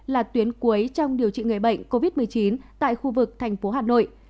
là tuyến cuối trong điều trị người bệnh covid một mươi chín tại khu vực thành phố hà nội